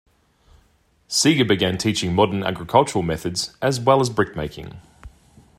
Seger began teaching modern agricultural methods as well as brick-making.